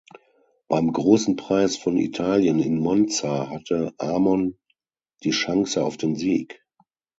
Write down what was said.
Beim Großen Preis von Italien in Monza hatte Amon die Chance auf den Sieg.